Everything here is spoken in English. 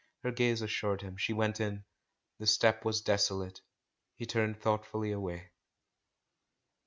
Her gaze assured him. She went in — the step was desolate; he turned thoughtfully away.